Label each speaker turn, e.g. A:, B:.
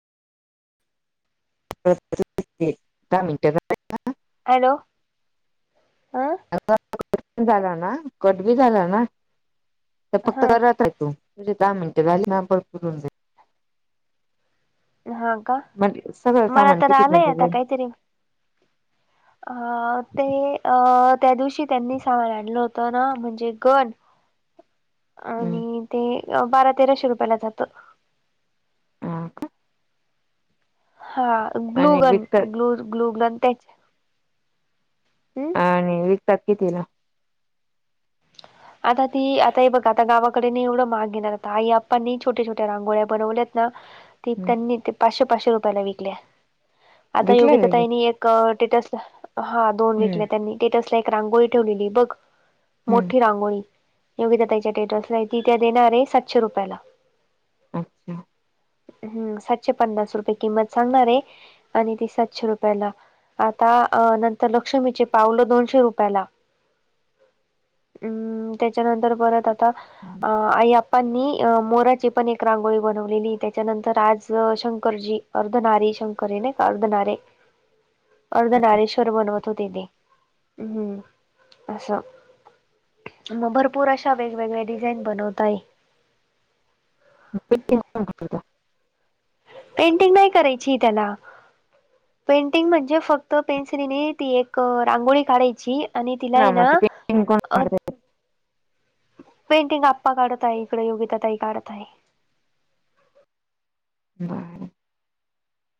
A: परत परत फित दा मिनटं
B: हॅलो हं
A: पण झाला ना कट बी झाला ना तर फक्त
B: ह
A: करत आहे तू तुझे दहा मिनिट झाल ना भरपूर होऊन जाईल
B: हा का
A: म्हण सगळं
B: मला
A: सामान
B: तर
A: किती
B: आलंय
A: म्हणजे
B: आता
A: जाईल
B: काहीतरी हा ते अ त्या दिवशी त्यांनी सामान आणलं होतं ना म्हणजे गण
A: हम्म
B: आणि ते बारा तेराशे रुपयाला जात
A: ह का
B: हा
A: का आणि
B: ग्लुगन
A: विकतात
B: ग्लू ग्लुगन त्याच हम्
A: आणि विकतात कि तिला
B: आता ती आता हे बघ आता गावाकडे नि एवढं महाग घेणार आता आई आप्पांनी छोट्या छोट्या रांगोळ्या बनवल्यात ना त
A: हम्म
B: त्यांनी ते पाचशे पाचशे रुपयाला विकल्या आता
A: विकले
B: योग्यता
A: का ग
B: ताईनी स्टेटसला हा दोन
A: हम्म
B: विकले त्यांनी स्टेटसला एक रांगोळी ठेवलेली बघ
A: हम्म
B: रांगोळ योगिताताई च्या टेटस ती त्या देणार आहे सातशे रुपयाला
A: अच्छा
B: हम्म सातशे पन्नास रुपये किंमत सांगणारे आणि ती सातशे रुपयाला आता नंतर लक्ष्मीचे पावलं दोनशे रुपयाला हम् त्याच्यानंतर परत आता अ आई आप्पांनी मोराची पण एक रांगोळी बनवलेली त्याच्यानंतर आज शंकरजी अर्धनारी शंकर ये ना का अर्धनारे अर्धनारेश्वर बनवत होते ते हम्म असं. मग भरपूर अशा वेगवेगळ्या डिझाईन बनवताय.
A: [unintelligible]
B: पेंटिंग नाही करायची त्याला. पेंटिंग म्हणजे फक्त पेन्सिलने ती एक रांगोळी काढायची आणि तिला आहे
A: कोण
B: ना
A: पेंटिंग कोण
B: [inaudible] अप
A: काढतय
B: पेंटिंग आप्पा काढत आहे. इकडे योगिता ताई काढत आहे.
A: बर.